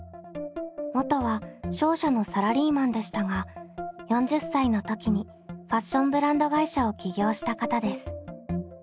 元は商社のサラリーマンでしたが４０歳の時にファッションブランド会社を起業した方です。